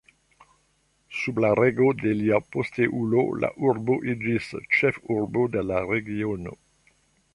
Sub la rego de lia posteulo la urbo iĝis ĉefurbo de la regiono.